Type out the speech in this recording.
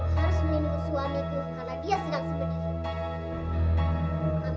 aku harus menimbul suamiku karena dia sedang sedih